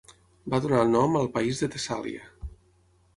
Va donar nom al país de Tessàlia.